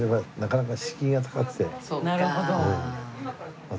なるほど。